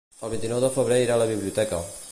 El vint-i-nou de febrer irà a la biblioteca.